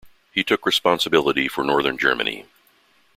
He took responsibility for Northern Germany.